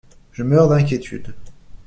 Je meurs d'inquiétude.